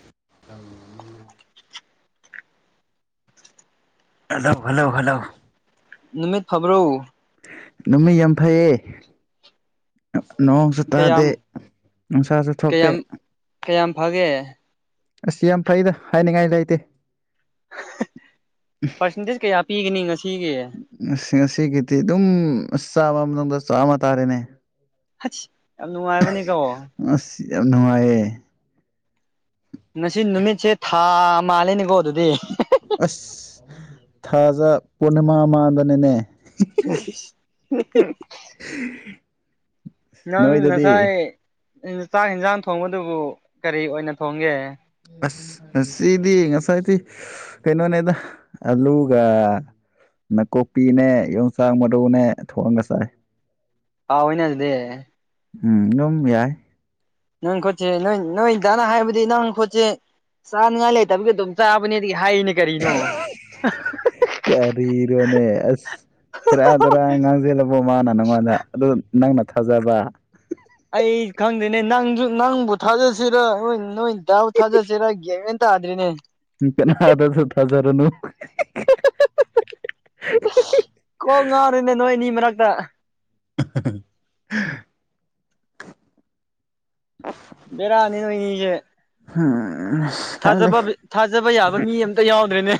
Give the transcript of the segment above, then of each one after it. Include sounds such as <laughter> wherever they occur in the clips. <inaudible> Hello hello hello ꯅꯨꯃꯤꯠ ꯐꯕ꯭ꯔꯣ ꯅꯨꯃꯤꯠ ꯌꯥꯝ ꯐꯩꯌꯦ ꯅꯣꯡꯁꯨ ꯇꯥꯗꯦ ꯀꯌꯥꯝ ꯅꯨꯡꯁꯥꯁꯨ ꯊꯣꯛꯇꯦ ꯀꯌꯥꯝ ꯀꯌꯥꯝ ꯐꯒꯦ ꯑꯁ ꯌꯥꯝ ꯐꯩꯗ ꯍꯥꯏꯅꯤꯡꯉꯥꯏ ꯂꯩꯇꯦ ꯄꯥꯔꯁꯦꯟꯇꯦꯖ ꯀꯌꯥ ꯄꯤꯒꯅꯤ ꯉꯁꯤꯒꯤ ꯑꯁ ꯉꯁꯤꯒꯤꯗꯤ ꯑꯗꯨꯝ ꯑꯁ ꯆꯥꯝꯃ ꯃꯅꯨꯡꯗ ꯆꯥꯝꯃ ꯇꯥꯔꯦꯅꯦ ꯑꯁ ꯌꯥꯝ ꯅꯨꯡꯉꯥꯏꯕꯅꯦꯀꯣ ꯑꯁ ꯌꯥꯝ ꯅꯨꯡꯉꯥꯏꯌꯦ ꯉꯁꯤ ꯅꯨꯃꯤꯠꯁꯦ ꯊꯥ ꯃꯥꯜꯂꯦꯅꯦꯀꯣ ꯑꯗꯨꯗꯤ ꯑꯁ ꯊꯥꯖ ꯄꯨꯔꯅꯤꯃꯥ ꯃꯥꯟꯗꯅꯦꯅꯦ ꯑꯩꯁ ꯍꯝꯍꯝ <inaudible> ꯅꯪ ꯅꯣꯏꯗꯗꯤ ꯉꯁꯥꯏ ꯆꯥꯛ ꯌꯦꯟꯁꯥꯡ ꯊꯣꯡꯕꯗꯨꯕꯨ ꯀꯔꯤ ꯑꯣꯏꯅ ꯊꯣꯡꯒꯦ ꯑꯁ ꯉꯁꯤꯗꯤ ꯉꯁꯥꯏꯗꯤ ꯀꯩꯅꯣꯅꯦꯗ ꯑꯂꯨꯒ ꯅꯥꯀꯨꯛꯄꯤꯅꯦ ꯌꯣꯡꯆꯥꯛ ꯃꯔꯨꯅꯦ ꯊꯣꯡꯉꯒ ꯆꯥꯏ ꯍꯥꯎꯏꯅꯦ ꯑꯗꯨꯗꯤ ꯎꯝ ꯑꯗꯨꯝ ꯌꯥꯏ ꯅꯪ ꯈꯨꯠꯁꯤ ꯅꯣꯏ ꯅꯣꯏꯗꯥꯅ ꯍꯥꯏꯕꯗꯤ ꯅꯪ ꯈꯨꯠꯁꯦ ꯆꯥꯅꯤꯡꯉꯥꯏ ꯂꯩꯇꯕꯒꯤ ꯑꯗꯨꯝ ꯆꯥꯕꯅꯦꯗꯤ ꯍꯥꯏꯅꯦ ꯀꯔꯤꯅꯣ ꯀꯔꯤꯔꯣꯅꯦ ꯑꯁ ꯁꯦꯔꯥꯟ ꯇꯨꯔꯥꯟ ꯉꯥꯡꯁꯜꯂꯕꯣ ꯃꯥꯅ ꯅꯪꯉꯣꯟꯗ ꯑꯗꯨ ꯅꯪꯅ ꯊꯥꯖꯕ ꯑꯩ ꯈꯪꯗꯦꯅꯦ ꯅꯪꯁꯨ ꯅꯪꯕꯨ ꯊꯥꯖꯠꯁꯤꯔ ꯅꯣꯏ ꯅꯣꯏ ꯗꯥꯕꯨ ꯊꯥꯖꯁꯤꯔ ꯒ꯭ꯌꯥꯟꯃꯦꯟ ꯠꯇꯥꯗ꯭ꯔꯅꯦ ꯏ ꯀꯅ ꯑꯔꯗ ꯍꯖꯔꯣꯅꯨ ꯀꯣꯛ ꯉꯥꯔꯦꯅꯦ ꯅꯣꯏ ꯑꯅꯤ ꯃꯔꯛꯇ <unintelligible> ꯑ ꯕꯔꯥꯅꯤ ꯅꯣꯏꯅꯤꯁꯦ ꯎꯝ ꯈꯪꯗꯦ ꯊꯥꯖꯕ ꯊꯥꯖꯕ ꯌꯥꯕ ꯃꯤ ꯑꯃꯝꯇ ꯌꯥꯎꯗ꯭ꯔꯦꯅꯦ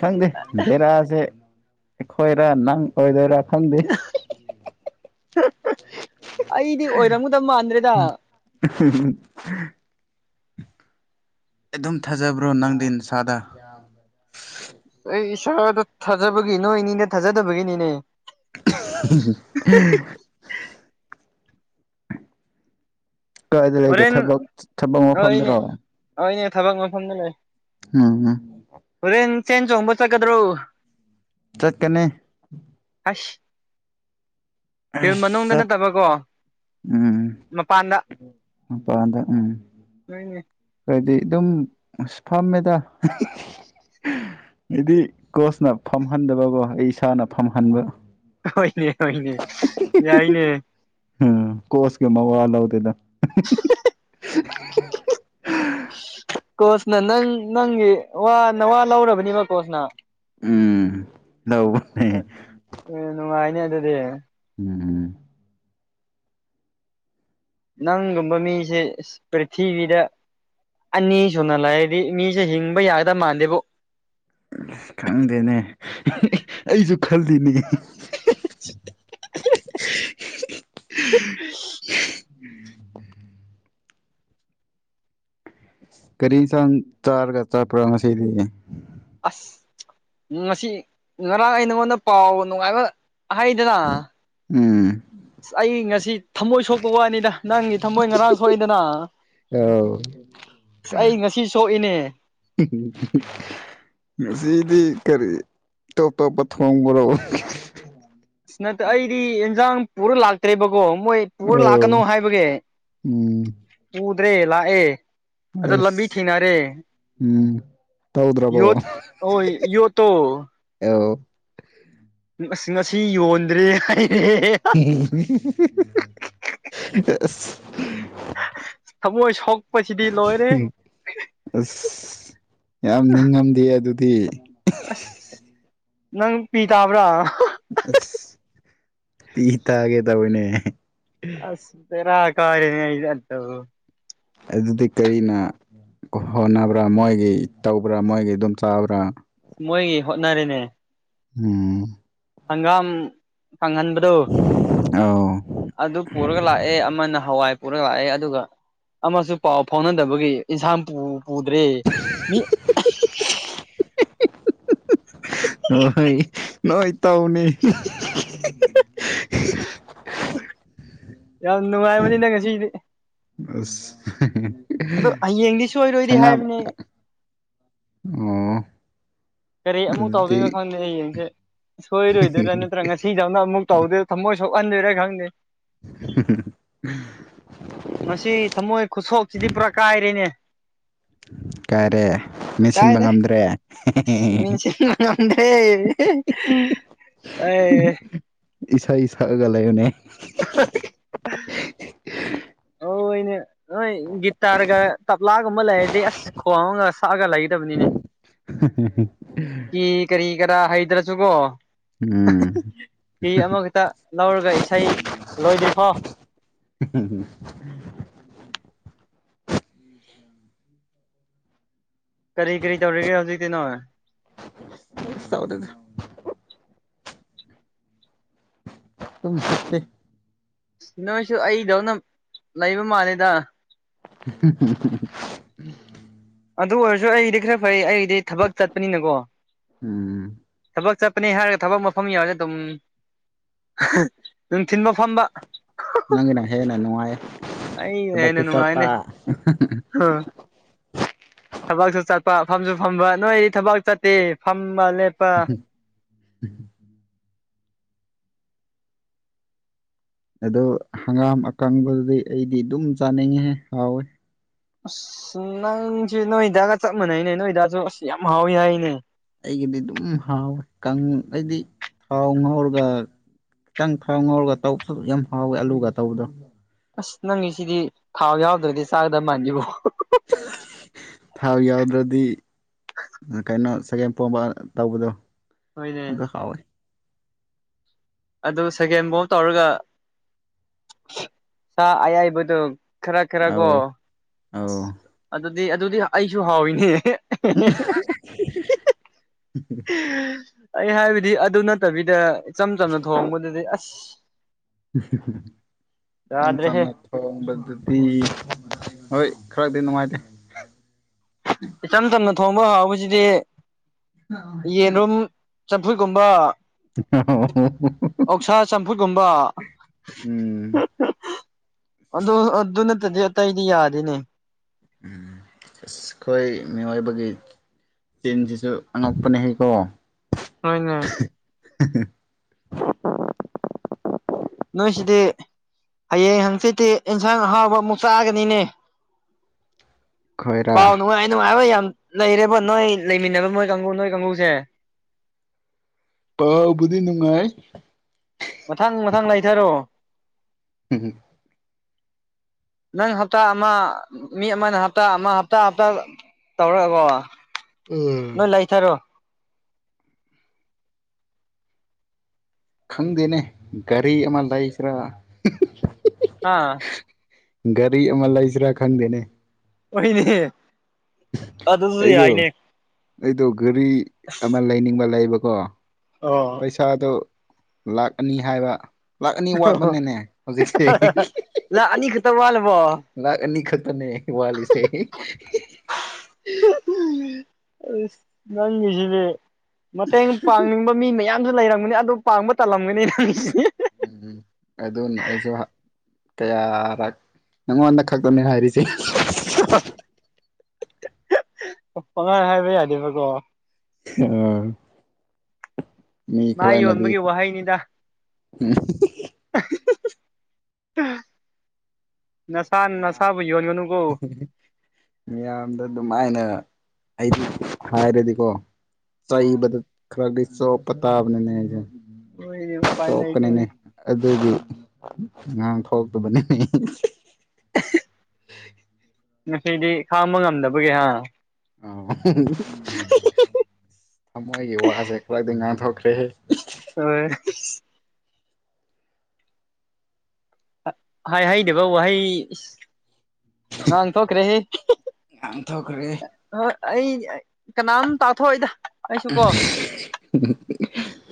ꯈꯪꯗꯦ ꯗꯦꯔꯥꯁꯦ ꯑꯩꯈꯣꯏꯔꯥ ꯅꯪ ꯑꯣꯏꯗꯧꯔ ꯊꯗꯤ ꯑꯩꯗꯤ ꯑꯣꯏꯔꯝꯒꯨꯗꯕ ꯃꯥꯟꯗ꯭ꯔꯦꯗ <unintelligible> ꯑꯩ ꯑꯗꯨꯝ ꯊꯥꯖꯕ꯭ꯔꯣ ꯅꯪꯗꯤ ꯅꯁꯥꯗ ꯑꯩ ꯏꯁꯥꯗ ꯊꯥꯖꯕꯒꯤ ꯅꯣꯏ ꯏꯅꯤꯗ ꯊꯥꯖꯗꯕꯒꯤꯅꯤꯅꯦ <unintelligible> ꯀꯏꯗ ꯂꯩꯒꯦ ꯍꯣꯔꯦꯟ ꯊꯕꯛ ꯊꯕꯛ ꯃꯐꯝꯗꯨꯅꯣ ꯑꯩꯅꯦ ꯊꯕꯛ ꯃꯐꯝꯗ ꯂꯩ <unintelligible> ꯍꯣꯔꯦꯟ ꯆꯦꯟ ꯆꯣꯡꯕ ꯆꯠꯀꯗ꯭ꯔꯣ ꯆꯠꯀꯅꯤ ꯑꯥꯁ ꯐꯤꯜ ꯃꯅꯨꯡꯗ ꯑꯁ ꯆꯠ ꯅꯠꯇꯕꯀꯣ ꯎꯝ ꯃꯄꯥꯟꯗ ꯃꯄꯥꯟꯗ ꯎꯝ <unintelligible> ꯈꯣꯏꯗꯤ ꯑꯗꯨꯝ ꯑꯁ ꯐꯝꯃꯦꯗ ꯍꯥꯏꯗꯤ ꯀꯣꯁꯅ ꯐꯝꯍꯟꯗꯕꯀꯣ ꯑꯩ ꯏꯁꯥꯅ ꯐꯝꯍꯟꯕ ꯍꯣꯏꯅꯦ ꯍꯣꯏꯅꯦ ꯌꯥꯏꯅꯦ ꯎꯝ ꯀꯣꯁꯒ ꯃꯋꯥ ꯂꯧꯗꯦꯗ <unintelligible> ꯀꯣꯁꯅ ꯅꯪ ꯅꯪꯒꯤ ꯋꯥ ꯅꯋꯥ ꯂꯧꯔꯕꯅꯤꯕ ꯀꯣꯁꯅ ꯎꯝ ꯂꯧꯕ ꯑꯦ ꯅꯨꯡꯉꯥꯏꯅꯦ ꯑꯗꯨꯗꯤ ꯎꯝ ꯅꯪꯒꯨꯝꯕ ꯃꯤꯁꯦ ꯏꯁ ꯄ꯭ꯔꯤꯊꯤꯕꯤꯗ ꯑꯅꯤ ꯁꯨꯅ ꯂꯩꯔꯗꯤ ꯃꯤꯁꯦ ꯍꯤꯡꯕ ꯌꯥꯒꯗꯕ ꯃꯥꯟꯗꯦꯕꯨ ꯈꯪꯗꯦꯅꯦ ꯑꯩꯁꯨ ꯈꯜꯂꯤꯅꯤ <unintelligible> ꯀꯔꯤ ꯏꯟꯁꯥꯡ ꯆꯥꯔꯒ ꯆꯠꯄ꯭ꯔ ꯉꯁꯤꯗꯤ ꯑꯁ ꯉꯁꯤ ꯉꯔꯥꯡ ꯑꯩ ꯅꯉꯣꯟꯗ ꯄꯥꯎ ꯅꯨꯡꯉꯥꯏꯕ ꯍꯥꯏꯗꯅ ꯎꯝ ꯁ ꯑꯩ ꯉꯁꯤ ꯊꯃꯣꯏ ꯁꯣꯛꯄ ꯋꯥꯅꯤꯗ ꯅꯪꯒꯤ ꯊꯃꯣꯏ ꯉꯔꯥꯡ ꯁꯣꯛꯏꯗꯅ ꯑꯥꯎ ꯑꯁ ꯑꯩ ꯉꯁꯤ ꯁꯣꯛꯏꯅꯦ <unintelligible> ꯉꯁꯤꯗꯤ ꯀꯔꯤ ꯇꯣꯞ ꯇꯣꯞꯄ ꯊꯣꯡꯕꯔꯣ ꯑꯁ ꯅꯠꯇ ꯑꯩꯗꯤ ꯌꯦꯟꯖꯥꯡ ꯄꯨꯔ ꯂꯥꯛꯇ꯭ꯔꯦꯕꯀꯣ ꯃꯣꯏ ꯄꯨꯔ ꯂꯥꯛꯀꯅꯨ ꯑꯣ ꯍꯥꯏꯕꯒꯤ ꯎꯝ ꯄꯨꯗ꯭ꯔꯦ ꯂꯥꯛꯑꯦ ꯑꯗꯨ ꯂꯝꯕꯤ ꯑꯁ ꯊꯦꯡꯅꯔꯦ ꯎꯝ ꯇꯧꯗ꯭ꯔꯕꯣ ꯌꯣꯠ ꯍꯣꯏ ꯌꯣꯠꯇꯣ ꯑꯦꯎ ꯉꯁꯤ ꯌꯣꯟꯗ꯭ꯔꯦ ꯍꯥꯏ <unintelligible> <unintelligible> ꯑꯁ ꯊꯃꯣꯏ ꯁꯣꯛꯄꯁꯤꯗꯤ ꯂꯣꯏꯔꯦ꯫ ꯑꯁ ꯌꯥꯝ ꯅꯤꯡꯉꯝꯗꯦ ꯑꯗꯨꯗꯤ ꯑꯁ ꯅꯪ ꯄꯤ ꯇꯥꯕ꯭ꯔꯥ ꯑꯁ ꯄꯤ ꯇꯥꯒꯦ ꯇꯥꯋꯤꯅꯦ꯫ ꯑꯁ ꯕꯦꯔꯥ ꯀꯥꯏꯔꯦꯍꯦ ꯑꯗꯨ ꯑꯗꯨꯗꯤ ꯀꯔꯤꯅ ꯍꯣꯠꯅꯕ꯭ꯔꯥ ꯃꯣꯏꯒꯤ ꯇꯧꯕ꯭ꯔꯥ ꯃꯣꯏꯒꯤ ꯑꯗꯨꯝ ꯆꯥꯕ꯭ꯔꯥ꯫ ꯃꯣꯏꯒꯤ ꯍꯣꯠꯅꯔꯦꯅꯦ ꯎꯝ ꯍꯪꯒꯥꯝ ꯐꯪꯍꯟꯕꯗꯨ ꯑꯥꯎ ꯑꯗꯨ ꯄꯨꯔꯒ ꯂꯥꯛꯑꯦ ꯑꯃꯅ ꯍꯋꯥꯏ ꯄꯨꯔꯒ ꯂꯥꯛꯑꯦ ꯑꯗꯨꯒ ꯑꯃꯁꯨ ꯄꯥꯎ ꯐꯥꯎꯅꯗꯕꯒꯤ ꯏꯟꯁꯥꯡ ꯄꯨ ꯄꯨꯗ꯭ꯔꯦ ꯃꯤ ꯍꯣꯏ ꯅꯣꯏ ꯇꯧꯅꯤ ꯌꯥꯝ ꯅꯨꯡꯉꯥꯏꯕꯅꯤꯅ ꯉꯁꯤꯗꯤ꯫ ꯑꯁ ꯑꯗꯣ ꯍꯌꯦꯡꯗꯤ <unintelligible> ꯁꯣꯏꯔꯣꯏꯗꯤ ꯁꯉꯝ ꯍꯥꯏꯕꯅꯤ ꯑꯣ ꯀꯔꯤ ꯑꯃꯨꯛ ꯑꯗꯨꯗꯤ ꯇꯧꯗꯣꯏꯅꯣ ꯈꯪꯗꯦ ꯑꯩ ꯌꯦꯡꯁꯦ ꯁꯣꯏꯔꯣꯏꯗꯣꯏꯔꯥ ꯅꯠꯇ꯭ꯔꯥ ꯉꯁꯤꯗꯧꯅ ꯑꯃꯨꯛ ꯇꯧꯗꯦ ꯊꯃꯣꯏ ꯁꯣꯛꯍꯟꯗꯣꯏꯔ ꯈꯪꯗꯦ <unintelligible> ꯎꯝ ꯉꯁꯤ ꯊꯝꯃꯣꯏ ꯈꯨꯁꯣꯛꯁꯤꯗꯤ ꯄꯨꯔꯥ ꯀꯥꯏꯔꯦꯅꯦ꯫ ꯀꯥꯏꯔꯦ ꯃꯦꯠꯁꯤꯟꯕ ꯀꯥꯏꯔꯦ ꯉꯝꯗ꯭ꯔꯦ ꯃꯦꯟꯁꯤꯟꯕ ꯉꯝꯗ꯭ꯔꯦ ꯑꯩ ꯏꯁꯩ ꯁꯛꯑꯒ ꯂꯩꯌꯨꯅꯦ꯫ ꯑ ꯑꯣꯏꯅꯦ ꯍꯣꯏ ꯒꯤꯇꯥꯔꯒ ꯇꯞꯂꯥꯒꯨꯝꯕ ꯂꯩꯔꯗꯤ ꯑꯁ ꯈꯣꯡꯑꯒ ꯁꯛꯑꯒ ꯂꯩꯒꯗꯕꯅꯤꯅꯦ꯫ ꯀꯤ <unintelligible> ꯀꯔꯤ ꯀꯔꯥ ꯍꯩꯗ꯭ꯔꯁꯨꯀꯣ ꯎꯝ ꯐꯤ ꯑꯃꯈꯛꯇ ꯂꯧꯔꯒ ꯏꯁꯩ ꯂꯣꯏꯗ꯭ꯔꯤꯐꯧ ꯎ ꯀꯔꯤ ꯀꯔꯤ ꯇꯧꯔꯤꯒꯦ ꯍꯧꯖꯤꯛꯇꯤꯅꯣꯏ꯫ ꯀꯩꯁꯨ ꯇꯧꯗꯦꯗ꯫ ꯎꯝ ꯇꯦ ꯅꯣꯏꯁꯨ ꯑꯩꯗꯧꯅ ꯂꯩꯕ ꯃꯥꯜꯂꯦꯗ꯫ <unintelligible> ꯑꯗꯨ ꯑꯣꯏꯔꯁꯨ ꯑꯩꯗꯤ ꯈꯔ ꯐꯩ ꯑꯩꯒꯤꯗꯤ ꯊꯕꯛ ꯆꯠꯄꯅꯤꯅꯒꯣ꯫ ꯎꯝ ꯊꯕꯛ ꯆꯠꯄꯅꯦ ꯍꯥꯏꯔꯒ ꯊꯕꯛ ꯃꯐꯝ ꯌꯥꯎꯔ ꯑꯗꯨꯝ꯫ ꯅꯨꯡꯊꯤꯟꯕꯧ ꯐꯝꯕ ꯅꯪꯒꯤꯅ ꯍꯦꯟꯅ ꯅꯨꯡꯉꯥꯏ꯫ ꯑꯩꯩꯒꯤꯅ ꯍꯦꯟꯅꯥ ꯊꯕꯛꯁꯨ ꯆꯠꯄ ꯅꯨꯡꯉꯥꯏꯅꯦ꯫ ꯊꯕꯛꯁꯨ ꯆꯠꯄ ꯐꯝꯁꯨ ꯐꯝꯕ ꯅꯣꯏꯗꯤ ꯊꯕꯛ ꯆꯠꯇꯦ ꯐꯝ ꯃ ꯂꯦꯞ ꯎ ꯑꯗꯨ ꯍꯪꯒꯥꯝ ꯑꯀꯪꯕꯗꯨꯗꯤ ꯑꯩꯗꯤ ꯑꯗꯨꯝ ꯆꯥꯅꯤꯡꯉꯦꯍꯦ ꯍꯥꯎꯋꯦ꯫ ꯑꯁ ꯅꯪꯁꯦ ꯅꯣꯏꯗꯒ ꯆꯞ ꯃꯥꯟꯅꯩꯅꯦ ꯅꯣꯏꯗꯁꯨ ꯑꯁ ꯌꯥꯝ ꯍꯥꯎꯋꯤ ꯍꯥꯏꯅꯦ꯫ ꯑꯩꯒꯤꯗꯤ ꯑꯗꯨꯝ ꯍꯥꯎꯋꯦ ꯀꯪ ꯑꯩꯗꯤ ꯊꯥꯎ ꯉꯥꯎꯔꯒ ꯈꯤꯇꯪ ꯊꯥꯎ ꯉꯥꯎꯔꯒ ꯇꯧꯕꯁꯨ ꯌꯥꯝ ꯍꯥꯎꯋꯦ ꯑꯂꯨꯒ ꯇꯧꯕꯗꯣ꯫ ꯑꯁ ꯅꯪꯒꯤꯁꯤꯗꯤ ꯊꯥꯎ ꯌꯥꯎꯗ꯭ꯔꯗꯤ ꯆꯥꯒꯗꯕ ꯃꯥꯟꯗꯦꯕꯣ꯫ ꯊꯥꯎ ꯌꯥꯎꯗ꯭ꯔꯗꯤ ꯀꯩꯅꯣ ꯁꯒꯦꯝ ꯄꯣꯝꯕ ꯇꯧꯕꯗꯣ ꯍꯣꯏꯅꯦ ꯑꯗꯨ ꯍꯥꯎꯋꯦ꯫ ꯑꯗꯨ ꯁꯒꯦꯟꯐꯥꯎꯕ ꯇꯧꯔꯒ ꯁꯥ ꯑꯌꯥꯏꯕꯗꯨꯣ ꯈꯔ ꯈꯔ ꯀꯣ ꯑꯧ ꯑꯧ ꯑꯁ ꯑꯗꯨꯗꯤ ꯑꯗꯨꯗꯤ ꯑꯩꯁꯨ ꯍꯥꯎꯏꯤꯅꯦ ꯑ ꯑꯩ ꯍꯥꯏꯕꯗꯤ ꯑꯗꯨ ꯅꯠꯇꯕꯤꯗ ꯏꯆꯝ ꯆꯝꯅ ꯊꯣꯡꯕꯗꯗꯤ ꯑꯁ ꯌꯥꯝꯝ ꯌꯥꯗ꯭ꯔꯦꯍꯦ ꯁꯝꯅ ꯊꯣꯡꯕꯗꯨꯗꯤ ꯍꯣꯏ ꯈꯔꯗꯤ ꯅꯨꯡꯉꯥꯏꯇꯦ ꯏꯆꯝ ꯆꯝꯅ ꯊꯣꯡꯕ ꯍꯥꯎꯕꯁꯤꯗꯤ ꯌꯦꯟꯔꯨꯝ ꯆꯝꯐꯨꯠꯀꯨꯝꯕ ꯑꯣꯛꯁꯥ ꯆꯝꯐꯨꯠꯀꯨꯝꯕ ꯎꯝ ꯑꯗꯨ ꯑꯗꯨ ꯅꯠꯇꯗꯤ ꯑꯇꯩꯗꯤ ꯌꯥꯗꯦꯅꯦ ꯎ ꯑꯩꯈꯣꯏ ꯃꯤꯑꯣꯏꯕꯒꯤ ꯆꯤꯟꯁꯤꯁꯨ ꯑꯉꯛꯄꯅꯦ ꯍꯩꯀꯣ ꯅ ꯅ ꯑ ꯅꯣꯏꯁꯤꯗꯤ ꯍꯌꯦꯡ ꯍꯪꯆꯤꯠꯇꯤ ꯏꯟꯁꯥꯡ ꯑꯍꯥꯎꯕ ꯑꯃꯨꯛ ꯆꯥꯛꯑꯒꯅꯤꯅꯦ ꯈꯣꯏꯔꯥ ꯄꯥꯎ ꯅꯨꯡꯉꯥꯏ ꯅꯨꯡꯉꯥꯏꯕ ꯌꯥꯝ ꯂꯩꯔꯦꯕ ꯅꯣꯏ ꯂꯩꯃꯤꯟꯅꯕ ꯅꯣꯏ ꯀꯥꯡꯕꯨ ꯅꯣꯏ ꯀꯥꯡꯒꯨꯁꯦ ꯑꯕꯨꯗꯤ ꯅꯨꯡꯉꯥꯏ ꯃꯊꯪ ꯃꯊꯪ ꯂꯩꯅꯥꯊꯔꯣꯑꯣ ꯍꯝ ꯅꯪ ꯍꯞꯇꯥ ꯑꯃ ꯃꯤ ꯑꯃꯅ ꯍꯞꯇꯥ ꯑꯃ ꯍꯞꯇꯥ ꯍꯞꯇꯥ ꯇꯧꯔꯛꯑꯕꯣ ꯅꯣꯏ ꯂꯩꯊꯔꯣ ꯈꯪꯗꯦꯅꯦ ꯒꯥꯔꯤ ꯑꯃ ꯂꯩꯁꯤꯔꯥ ꯑꯥ ꯒꯥꯔꯤ ꯑꯃ ꯂꯩ ꯏꯆꯔꯥ ꯈꯪꯗꯦꯅꯦ ꯍꯅꯦ ꯑꯗꯨꯁꯨ ꯑꯩꯗꯣ ꯌꯥꯏꯅꯦ ꯑꯩꯗꯣ ꯘꯔꯤ ꯑꯃ ꯂꯩꯅꯤꯡꯕ ꯂꯩꯕꯀꯣ ꯑꯣ ꯄꯩꯁꯥꯗ ꯂꯥꯛ ꯑꯅꯤ ꯍꯥꯏꯕ ꯂꯥꯛ ꯑꯅꯤ ꯋꯥꯠꯄꯅꯅꯦ ꯍꯧꯖꯤꯛꯁꯦ ꯂ ꯑꯅꯤꯈ ꯇꯧ ꯋꯥꯂꯕꯣ ꯂ ꯑꯅꯤ ꯈꯠꯇꯔꯅꯦ ꯋꯥꯂꯤꯁꯦ ꯅꯪꯁꯤꯅꯦꯦ ꯃꯇꯦꯡ ꯄꯥꯡꯅꯤꯡꯕ ꯃꯤ ꯃꯌꯥꯝꯁꯨ ꯂꯩꯔꯝꯒꯅꯤ ꯑꯗꯨ ꯄꯥꯡꯕ ꯇꯜꯂꯝꯒꯅꯤ ꯅꯪꯁꯤ ꯎꯝꯝ ꯑꯗꯨꯅ ꯑꯩꯁꯨ ꯀꯌꯥ ꯅꯪꯉꯣꯟꯗ ꯈꯛꯇꯅꯦ ꯍꯥꯏꯔꯤꯁꯦ ꯑꯉꯥꯏ ꯍꯥꯏꯕ ꯌꯥꯗꯦꯕꯀꯣ ꯑ ꯃꯤ ꯃꯥ ꯈꯔꯅꯗꯤ ꯌꯣꯟꯕꯒꯤ ꯋꯥꯍꯩꯅꯤꯗ ꯎꯝ ꯅꯁꯥ ꯃꯤꯌꯥꯝ ꯅꯁꯥꯕꯨ ꯌꯣꯟꯒꯅꯨꯀꯣ ꯃꯤꯌꯥꯝꯗ ꯑꯗꯨꯃꯥꯏꯅ ꯑꯩ ꯍꯥꯏꯔꯗꯤꯀꯣ ꯈꯔ ꯆꯣ ꯄꯇꯥꯥꯕꯅꯦꯅꯦ ꯅꯣꯏꯗꯤ ꯎꯄꯥꯏ ꯆꯣꯄꯅꯦꯅꯦ ꯂꯩꯇꯦꯅꯦ ꯑꯗꯨꯗꯤ ꯑꯉꯥꯡ ꯊꯣꯛꯂꯛꯇꯕꯅꯤꯅꯦ ꯍ ꯉꯁꯤꯗꯤ ꯈꯥꯡꯕ ꯉꯝꯗꯕꯒꯤꯦ ꯍꯥ ꯑ ꯊꯃꯣꯏꯒꯤ ꯋꯥꯁꯦ ꯈꯔꯗꯤ ꯉꯥꯡꯊꯣꯛꯈ꯭ꯔꯦ ꯍ ꯍꯥꯏ ꯍꯩꯗꯕ ꯋꯥꯍꯩ ꯉꯥꯡ ꯊꯣꯛꯈ꯭ꯔꯦꯍ ꯉꯥꯡꯊꯣꯛꯈ꯭ꯔꯦ ꯍꯣꯏ ꯑꯩ ꯀꯅꯥꯝ ꯇꯥꯊꯣꯛꯏꯗ ꯑꯩꯁꯨ ꯀꯣ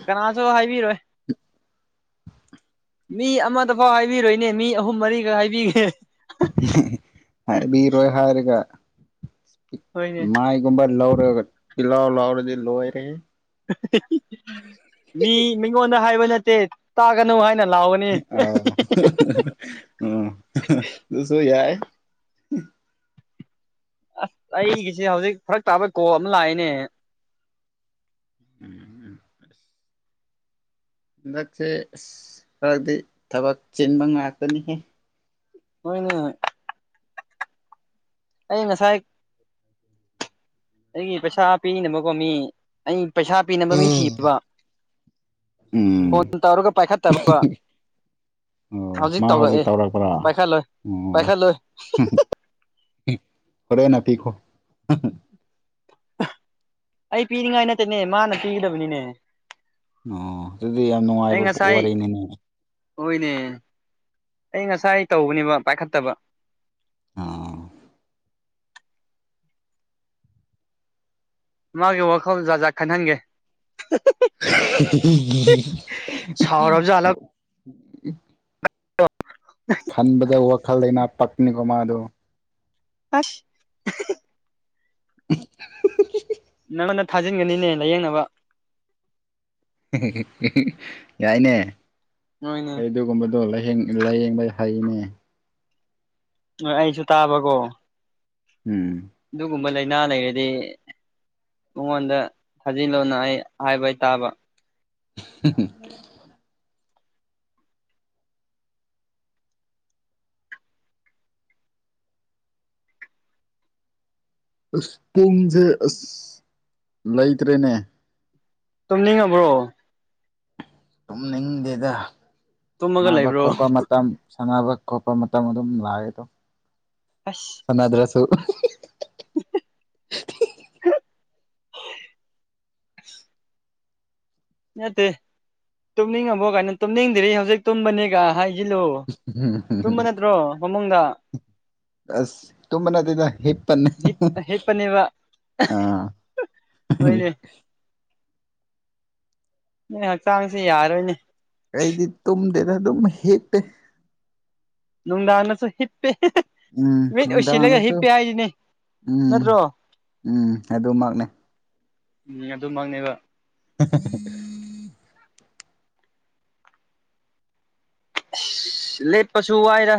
ꯀꯅꯥꯁꯨ ꯍꯥꯏꯕꯤꯔꯣꯏ ꯃꯤ ꯑꯃꯗꯐꯥꯎ ꯍꯥꯏꯕꯤꯔꯣꯏꯅꯦ ꯃꯤ ꯑꯍꯨꯝ ꯃꯔꯤꯈ ꯍꯥꯏꯕꯤꯈ꯭ꯔꯦ ꯍꯥꯏꯕꯤꯔꯣꯏ ꯍꯥꯏꯔꯒ ꯍꯣꯏꯅꯦ ꯃꯥꯏꯒꯨꯝꯕ ꯂꯧꯔꯒ ꯇꯤꯜꯂꯥꯎ ꯂꯥꯎꯔꯗꯤ ꯂꯣꯏꯔꯦ ꯃꯤ ꯃꯤꯉꯣꯟꯗ ꯍꯥꯏꯕ ꯅꯠꯇꯦ ꯇꯥꯒꯅꯨ ꯍꯥꯏꯅ ꯂꯥꯎꯋꯦ ꯑꯥꯎ ꯎꯝ ꯗꯨꯁꯨ ꯌꯥꯏ ꯑꯁ ꯑꯩꯒꯤꯁꯦ ꯍꯧꯖꯤꯛ ꯐꯔꯛ ꯇꯥꯕ ꯀꯣ ꯑꯃ ꯂꯥꯛꯏꯅꯦ ꯎꯝ ꯎ <inaudible> ꯍꯟꯗꯛꯁꯦ ꯑꯁ ꯈꯔꯗꯤ ꯊꯕꯛ ꯆꯤꯟꯕ ꯉꯥꯛꯇꯅꯤꯍꯦ ꯍꯣꯏ ꯅ ꯑꯩ ꯉꯁꯥꯏ ꯑꯩꯒꯤ ꯄꯩꯁꯥ ꯄꯤꯅꯕꯀꯣ ꯃꯤ ꯑꯩ ꯄꯩꯁꯥ ꯄꯤꯅꯕ ꯃꯤ ꯎꯝ ꯊꯤꯌꯦꯕ ꯎꯝ ꯐꯣꯟ ꯇꯧꯔꯒ ꯄꯥꯏꯈꯠꯇꯕ ꯑꯣ ꯍꯧꯖꯤꯛ ꯃꯥ ꯇꯧꯔꯛꯑꯦ ꯇꯧꯔꯛꯄ꯭ꯔꯥ ꯄꯥꯏꯈꯠꯂꯣꯏ ꯑꯣ ꯄꯥꯏꯈꯠꯂꯣꯏ ꯍꯣꯔꯦꯟ ꯅꯄꯤꯈꯣ ꯑꯩ ꯄꯤꯅꯤꯡꯉꯥꯏ ꯅꯠꯇꯅꯦ ꯃꯥꯅ ꯄꯤꯒꯗꯕꯅꯤꯅꯦ ꯑꯣ ꯑꯗꯨꯗꯤ ꯌꯥꯝ ꯑꯩ ꯅꯨꯡꯉꯥꯏꯕ ꯉꯁꯥꯏ ꯋꯥꯔꯤꯅꯤꯅꯦ ꯍꯣꯏꯅꯦ ꯑꯩ ꯉꯁꯥꯏ ꯇꯧꯕꯅꯦꯕ ꯄꯥꯏꯈꯠꯇꯕ ꯑꯥ ꯃꯥꯒꯤ ꯋꯥꯈꯜ ꯖꯥꯠꯖꯥꯠ ꯈꯟꯍꯟꯒꯦ <unintelligible> <unintelligible> ꯁꯥꯎꯔꯖꯥꯠꯂ ꯑ <unintelligible> ꯈꯟꯕꯗ ꯋꯥꯈꯜꯂꯩꯅ ꯄꯛꯅꯤꯀꯣ ꯃꯥꯗꯣ ꯑꯁ <unintelligible> <unintelligible> ꯅꯪꯉꯣꯟꯗ ꯊꯥꯖꯤꯟꯒꯅꯤꯅꯦ ꯂꯥꯏꯌꯦꯡꯅꯕ <unintelligible> ꯌꯥꯏꯅꯦ ꯅꯣꯏꯅ ꯑꯩ ꯑꯗꯨꯒꯨꯝꯕꯗꯣ ꯂꯥꯏꯌꯦꯡꯕ ꯍꯩꯅꯦ ꯍꯣꯏ ꯑꯩꯁꯨ ꯇꯥꯕꯀꯣ ꯎꯝ ꯑꯗꯨꯒꯨꯝꯕ ꯂꯩꯅꯥ ꯂꯩꯔꯗꯤ ꯃꯉꯣꯟꯗ ꯊꯥꯖꯤꯜꯂꯨꯅ ꯑꯩ ꯍꯥꯏꯕ ꯇꯥꯕ <unintelligible> ꯑꯁ ꯄꯨꯡꯖꯦ ꯑꯁ ꯂꯩꯇ꯭ꯔꯦꯅꯦ ꯇꯨꯝꯅꯤꯡꯉꯕ꯭ꯔꯣ ꯇꯨꯝꯅꯤꯡꯗꯦꯗ ꯇꯨꯝꯃꯒ ꯅꯥꯕ ꯂꯩꯕ꯭ꯔꯣ ꯈ‌ꯣꯠꯄ ꯃꯇꯝ ꯁꯥꯟꯅꯕ ꯈꯣꯠꯄ ꯃꯇꯝ ꯑꯗꯨꯝ ꯂꯥꯛꯑꯦ ꯑꯗꯣ ꯑꯁ ꯁꯟꯅꯗ꯭ꯔꯁꯨ <unintelligible> <unintelligible> ꯅꯠꯇꯦ ꯇꯨꯝꯅꯤꯡꯉꯕꯣ ꯀꯥꯏꯅ ꯇꯨꯝꯅꯤꯡꯗ꯭ꯔꯤ ꯍꯧꯖꯤꯛ ꯇꯨꯝꯕꯅꯦꯒ ꯍꯥꯏ ꯖꯤꯜꯂꯣ ꯇꯨꯝꯕ ꯅꯠꯇ꯭ꯔꯣ ꯐꯝꯃꯨꯡꯗ ꯑꯁ ꯇꯨꯝꯕ ꯅꯠꯇꯦꯗ ꯍꯤꯞ ꯄ ꯅꯩ ꯍꯤꯞꯄꯅꯦꯕ ꯑꯥ ꯍꯣꯏꯅꯦ <unintelligible> ꯅꯣꯏ ꯍꯛꯆꯥꯡꯁꯦ ꯌꯥꯔꯣꯏꯅꯦ ꯑꯩꯗꯤ ꯇꯨꯝꯗꯦꯗ ꯑꯗꯨꯝ ꯍꯤꯞꯄꯦ ꯅꯨꯡꯗꯥꯡꯗꯁꯨ ꯍꯤꯞꯄꯦ ꯎꯝ ꯃꯤꯠ ꯎꯏꯁꯤꯜꯂꯒ ꯅꯨꯡꯗꯥꯡꯗꯁꯨ ꯍꯤꯞꯄꯦ ꯍꯥꯏꯁꯤꯅꯦ ꯎꯝ ꯅꯠꯇ꯭ꯔꯣ ꯎꯝ ꯑꯗꯨꯃꯛꯅꯦ ꯎꯝ ꯑꯗꯨꯃꯛꯅꯦꯕ <unintelligible> ꯑꯁ ꯂꯦꯞꯄꯁꯨ ꯋꯥꯏꯗ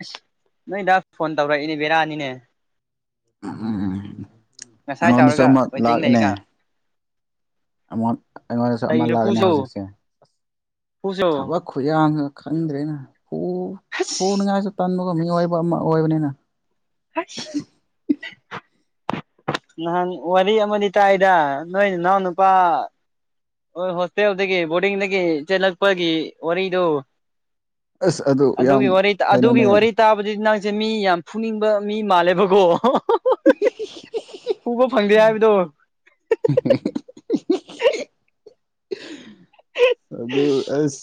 ꯑꯁ ꯅꯣꯏꯗꯥ ꯐꯣꯟ ꯇꯧꯔꯛꯏꯅꯦ ꯕꯦꯔꯅꯤꯅ‌ꯦ ꯎ ꯉꯁꯥꯏ ꯑꯩꯉꯣꯟꯗꯁꯨ ꯇꯧꯔꯒ ꯑꯃ ꯋꯦꯇꯤꯡ ꯂꯥꯛꯏꯅꯦ ꯂꯩꯒ ꯑꯃ ꯑꯩꯉꯣꯟꯗꯁꯨ ꯑꯃ ꯀꯩꯁꯨ ꯂꯥꯛꯑꯅꯤ ꯐꯨꯁꯨ ꯍꯧꯖꯤꯛꯁꯦ ꯐꯨꯁꯨ ꯊꯕꯛ ꯈꯨꯌꯥꯝꯁꯨ ꯈꯪꯗ꯭ꯔꯦꯅ‌ꯦ ꯐꯨ ꯑꯁ ꯐꯨꯅꯤꯡꯉꯥꯏꯁꯨ ꯇꯟꯕ ꯃꯤ ꯑꯣꯏꯕ ꯑꯃ ꯑꯣꯏꯕꯅꯤꯅ ꯑꯁ ꯅꯍꯥꯟ ꯋꯥꯔꯤ ꯑꯃꯗꯤ ꯇꯥꯏꯗ ꯅꯣꯏ ꯏꯅꯥꯎ ꯅꯨꯄꯥ ꯍꯣꯏ ꯍꯣꯁꯇꯦꯜꯗꯒꯤ ꯕꯣꯔꯗꯤꯡꯗꯒꯤ ꯆꯦꯜꯂꯛꯄꯒꯤ ꯋꯥꯔꯤꯗꯨ ꯑꯁ ꯑꯗꯨ ꯌꯥꯝ ꯑꯗꯨꯒꯤ ꯋꯥꯔꯤ ꯑꯗꯨꯒꯤ ꯀꯩꯅꯣꯅꯦ ꯋꯥꯔꯤ ꯇꯥꯕꯗꯤ ꯅꯪꯁꯦ ꯃꯤ ꯌꯥꯝ ꯐꯨꯅꯤꯡꯕ ꯃꯤ ꯃꯥꯜꯂꯦꯕꯀꯣ <unintelligible> ꯍꯨꯝ ꯍꯨꯝ <unintelligible> ꯎꯕ ꯐꯪꯗꯦ ꯍꯥꯏꯕꯗꯣ ꯍꯨꯝ ꯍꯨꯝ <unintelligible> ꯑꯗꯨ ꯑꯁ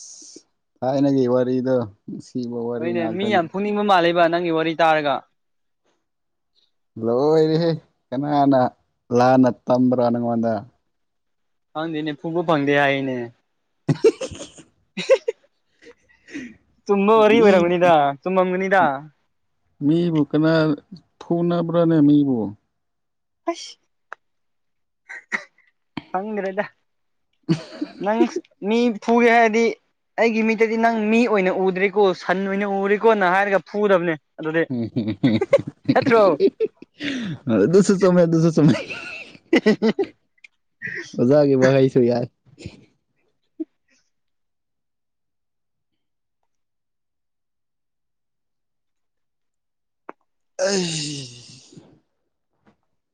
ꯊꯥꯏꯅꯒꯤ ꯋꯥꯔꯤꯗ‌ꯣ ꯅꯨꯡꯁꯤꯕꯣ ꯍꯣꯏꯅꯦ ꯃꯤ ꯌꯥꯝ ꯐꯨꯅꯤꯡꯕ ꯃꯥꯜꯂꯦꯕ ꯅꯪꯒꯤ ꯋꯥꯔꯤ ꯇꯥꯔꯒ ꯂꯣꯏꯔꯍꯦ ꯀꯅꯥꯅ ꯂꯥꯟꯅ ꯇꯝꯕ꯭ꯔꯣ ꯅꯪꯉꯣꯟꯗ ꯈꯪꯗꯦꯅꯦ ꯐꯨꯕ ꯐꯪꯗꯦ ꯍꯥꯏꯌꯦꯅꯦ <unintelligible> ꯑꯍꯤ ꯍꯤ <inaudible> ꯇꯨꯝꯕ ꯋꯥꯔꯤ ꯃꯤ ꯑꯣꯏꯔꯝꯒꯅꯤꯗ ꯇꯨꯝꯃꯝꯒꯅꯤꯗ ꯃꯤꯕꯨ ꯀꯅꯥ ꯐꯨꯅꯕ꯭ꯔꯥꯅꯦ ꯃꯤꯕꯨ ꯑꯁ ꯈꯪꯗ꯭ꯔꯦꯗ ꯅꯪ ꯃꯤ ꯐꯨꯒꯦ ꯍꯥꯏꯔꯗꯤ ꯑꯩꯒꯤ ꯃꯤꯠꯇꯗꯤ ꯅꯪ ꯃꯤ ꯑꯣꯏꯅ ꯎꯗ꯭ꯔꯦꯀꯣ ꯁꯟ ꯑꯣꯏꯅ ꯎꯔꯦꯀꯣꯅ ꯍꯥꯏꯔꯒ ꯐꯨꯒꯗꯕꯅꯦ <unintelligible> ꯑꯗꯨꯁꯨ ꯆꯨꯝꯃꯦ ꯑꯗꯨꯁꯨ ꯆꯨꯝꯃꯦ <unintelligible> <unintelligible> ꯑꯣꯖꯥꯒꯤ ꯋꯥꯍꯩꯁꯨ ꯌꯥꯏ ꯑꯩꯁ